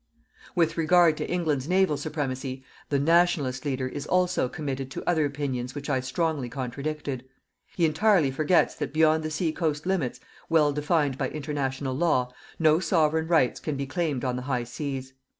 With regard to England's naval supremacy, the "Nationalist" leader is also committed to other opinions which I strongly contradicted. He entirely forgets that beyond the sea coast limits, well defined by International Law, no Sovereign rights can be claimed on the high seas.